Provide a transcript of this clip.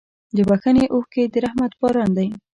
د بښنې اوښکې د رحمت باران دی.